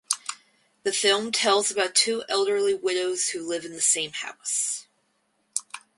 The film tells about two elderly widows who live in the same house.